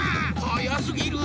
はやすぎる！